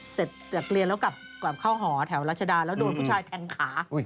เสร็จจากเรียนแล้วกลับเข้าหอแถวรัชดาแล้วโดนผู้ชายแทงขา